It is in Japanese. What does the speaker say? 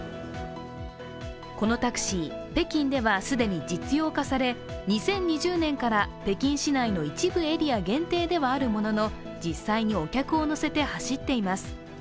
このタクシー、北京では既に実用化され２０２０年から北京市内の一部エリア限定ではあるものの、実際にお客を乗せて走っています。